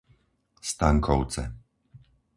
Stankovce